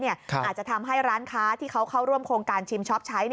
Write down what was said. อาจจะทำให้ร้านค้าที่เขาเข้าร่วมโครงการชิมช็อปใช้